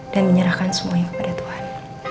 dan menyerahkan semuanya kepada tuhan